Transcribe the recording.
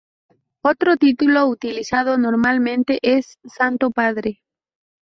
Otro título utilizado normalmente es "santo padre".